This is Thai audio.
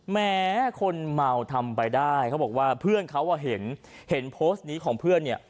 แม้คนเมาทำไปได้เขาบอกว่าเพื่อนเขาเห็นโพสต์นี้ของเพื่อนเนี่ย